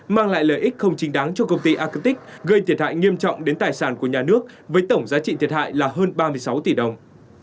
mang lại lợi ích không chính đáng cho công ty agitic gây thiệt hại nghiêm trọng đến tài sản của nhà nước với tổng giá trị thiệt hại là hơn ba mươi sáu tỷ đồng